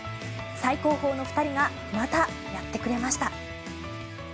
最高峰の２人がまたやってくれました。